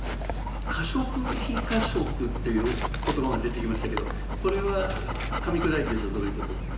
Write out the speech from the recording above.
「可食」「非可食」っていう言葉が出てきましたけどこれはかみ砕いて言うとどういうことですか？